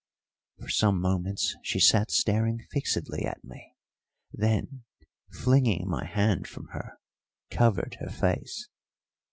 For some moments she sat staring fixedly at me, then, flinging my hand from her, covered her face.